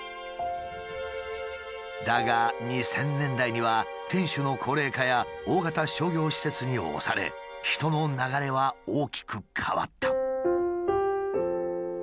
だが２０００年代には店主の高齢化や大型商業施設に押され人の流れは大きく変わった。